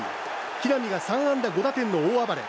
木浪が３安打５打点の大暴れ。